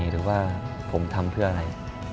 หรือว่าผมทำเพื่ออะไร